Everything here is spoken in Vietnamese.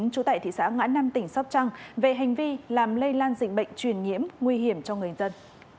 trú tại thị xã ngã năm tỉnh sóc trăng về hành vi làm lây lan dịch bệnh truyền nhiễm nguy hiểm cho người dân